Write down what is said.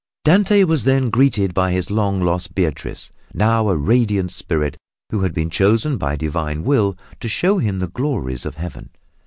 Dante was then greeted by his long lost Beatrice, now a radiant spirit, who had been chosen by divine will to show him the glories of Heaven.